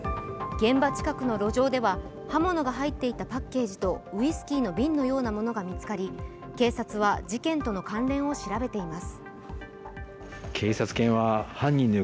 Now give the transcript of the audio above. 現場近くの路上では刃物が入っていたパッケージとウイスキーの瓶のようなものが見つかり警察は事件との関連を調べています。